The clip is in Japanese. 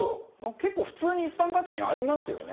結構普通に一般家庭にありますよね。